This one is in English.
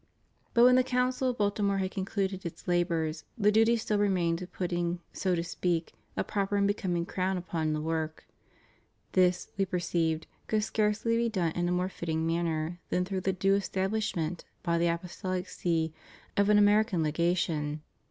But when the Council of Baltimore had concluded its labors, the duty still remained of putting, so to speak, a proper and becoming crowTi upon the work. This, We perceived, could scarcely be done in a more fitting manner than through the due establishment by the Apostolic See of an American Legation.